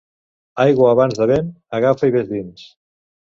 Aigua abans de vent, agafa i ves dins.